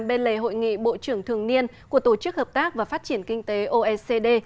bên lề hội nghị bộ trưởng thường niên của tổ chức hợp tác và phát triển kinh tế oecd